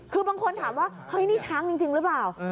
คือบางคนถามว่าเฮ้ยนี่ช้างจริงหรือเปล่า